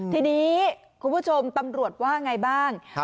ทีนี้คุณผู้ชมตำรวจว่าไงบ้าง